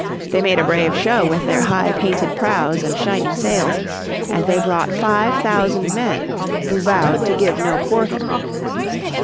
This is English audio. They made a brave show with their high painted prows and shining sails, and they brought five thousand men who vowed to give no quarter.